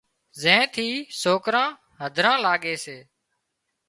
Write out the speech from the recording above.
زين ٿي سوڪران هڌران لاڳي سي